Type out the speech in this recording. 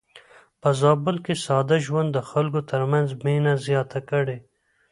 په زابل کې ساده ژوند د خلکو ترمنځ مينه زياته کړې.